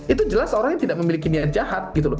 itu jelas orang yang tidak memiliki niat jahat gitu loh